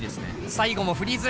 最後もフリーズ。